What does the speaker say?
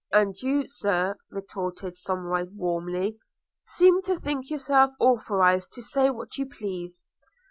'And you, Sir,' retorted Somerive warmly, 'seem to think yourself authorised to say what you please.